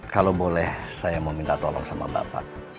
kalau boleh saya mau minta tolong sama bapak